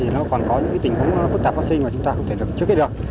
nó còn có những tình huống phức tạp vắc xin mà chúng ta không thể được trực kết được